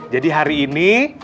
jadi hari ini